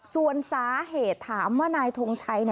ส่วนสาเหตุถามว่านายทงชัย